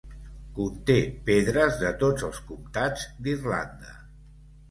Conté pedres de tots els comtats d'Irlanda.